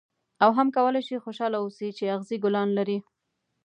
او هم کولای شې خوشاله اوسې چې اغزي ګلان لري.